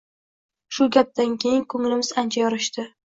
Shu gapdan keyin koʻnglimiz ancha yorishdi.